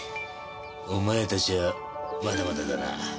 お前たちはまだまだだな。